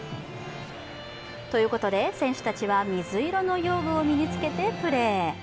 ということで、選手たちは水色の用具を身につけてプレー。